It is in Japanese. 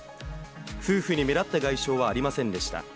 夫婦に目立った外傷はありませんでした。